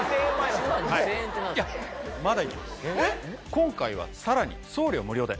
今回はさらに送料無料で。